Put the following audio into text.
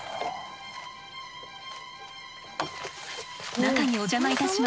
中にお邪魔いたします。